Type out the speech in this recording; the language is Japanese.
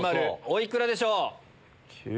お幾らでしょう？